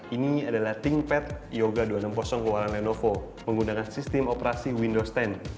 ini adalah think pet yoga dua ratus enam puluh keluaran lenovo menggunakan sistem operasi windows sepuluh